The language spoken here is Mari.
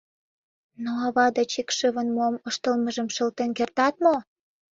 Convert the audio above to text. Но ава деч икшывын мом ыштылмыжым шылтен кертат мо?